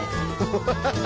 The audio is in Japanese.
ハハハハ！